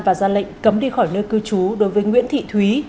và ra lệnh cấm đi khỏi nơi cư trú đối với nguyễn thị thúy